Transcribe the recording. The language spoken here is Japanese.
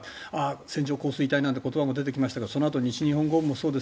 線状降水帯なんて言葉も出てきましたがそのあと西日本豪雨もそうです